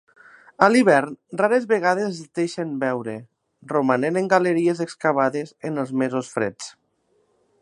A l'hivern rares vegades es deixen veure, romanent en galeries excavades en els mesos freds.